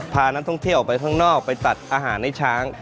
พานักท่องเที่ยวออกไปข้างนอกไปตัดอาหารให้ช้าง